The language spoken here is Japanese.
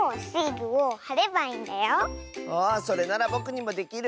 あそれならぼくにもできる！